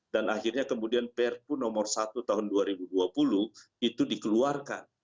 dan akhirnya kemudian prku nomor satu tahun dua ribu dua puluh itu dikeluarkan